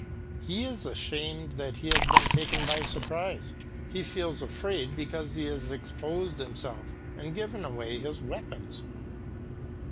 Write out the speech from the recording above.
He is ashamed that he has been taken by surprise, he feels afraid because he has exposed himself and given away his weapons.